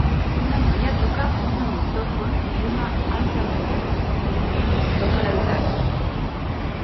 Una noia toca un magnetòfon i una altra noia toca la guitarra.